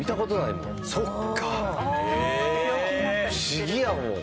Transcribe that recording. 不思議やもん。